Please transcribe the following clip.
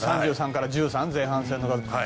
３３から１３、前半戦で。